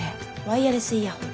ワイヤレスイヤホン。